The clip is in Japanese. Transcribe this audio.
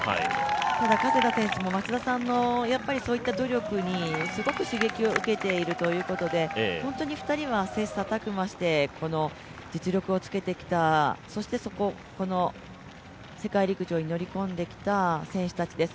ただ加世田選手も松田さんのそういった努力にすごく刺激を受けているということで本当に２人は切磋琢磨して、この実力をつけてきたそしてこの世界陸上に乗り込んできた選手たちです。